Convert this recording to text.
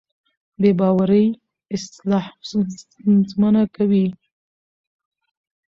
بې باورۍ اصلاح ستونزمنه کوي